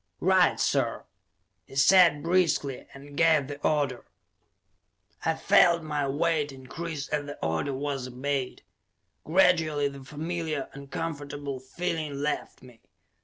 "Right, sir!" he said briskly, and gave the order. I felt my weight increase as the order was obeyed; gradually the familiar, uncomfortable feeling left me.